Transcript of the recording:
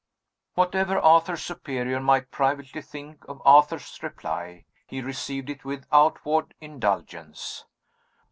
Whatever Arthur's superior might privately think of Arthur's reply, he received it with outward indulgence.